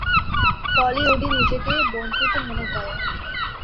ফলে উডি নিজেকে বঞ্চিত মনে করে।